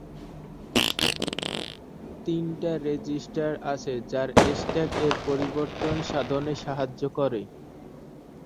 তিনটা রেজিস্টার আছে যারা স্ট্যাক-এর পরিবর্তন সাধনে সাহায্য করে।